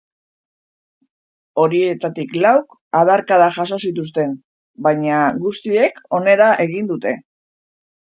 Horietatik lauk adarkadak jaso zituzten, baina guztiek onera egin dute.